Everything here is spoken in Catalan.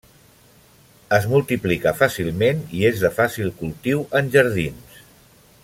Es multiplica fàcilment i és de fàcil cultiu en jardins.